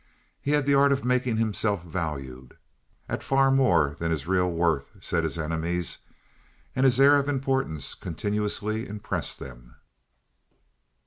He had the art of making himself valued (at far more than his real worth, said his enemies), and his air of importance continuously impressed them.